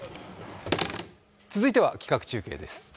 続いては企画中継です。